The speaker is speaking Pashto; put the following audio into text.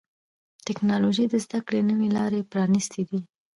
ټکنالوجي د زدهکړې نوي لارې پرانستې دي.